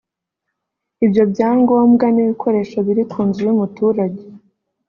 Ibyo byangombwa n’ibikoresho biri ku nzu y’umuturage